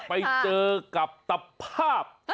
ไปเจอกับตภาพ